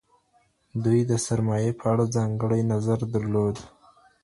دوی د سرمایې په اړه ځانګړی نظر درلود.